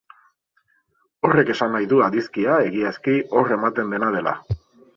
Horrek esan nahi du adizkia, egiazki, hor ematen dena dela.